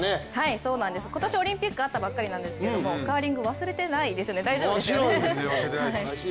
そうなんです、今年オリンピックあったばっかりなんですけどカーリング、忘れてないですよね、大丈夫ですよね？